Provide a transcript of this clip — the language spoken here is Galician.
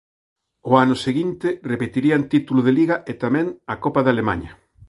Ao ano seguinte repetirían título de liga e tamén a Copa de Alemaña.